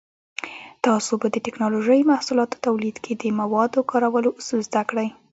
تاسو به د ټېکنالوجۍ محصولاتو تولید کې د موادو کارولو اصول زده کړئ.